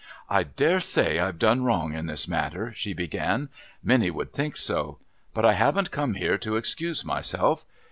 "I daresay I've done wrong in this matter," she began "many would think so. But I haven't come here to excuse myself.